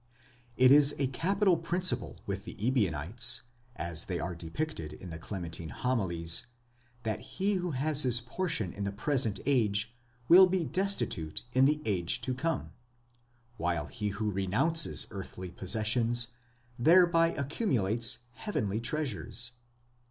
It is a capital principle with the Ebionites, as they are depicted in the Clementine Homilies, that he who has his portion in the present age, will be destitute in the age to come ; while he who renounces earthly possessions, thereby accumulates heavenly treasures.!